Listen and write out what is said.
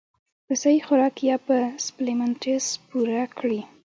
پۀ سهي خوراک يا پۀ سپليمنټس پوره کړي -